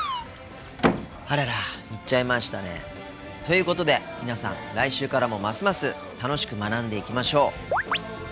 あらら行っちゃいましたね。ということで皆さん来週からもますます楽しく学んでいきましょう。